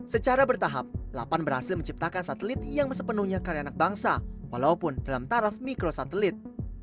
secara bertahap lapan berhasil menciptakan satelit yang sepenuhnya karyanak bangsa walaupun dalam taraf mikrosatelit